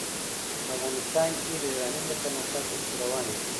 افغانستان کې د یورانیم د پرمختګ هڅې روانې دي.